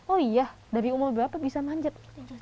oh iya dari umur berapa bisa manjat